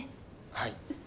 はい。